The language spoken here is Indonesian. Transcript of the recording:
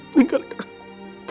tinggal di aku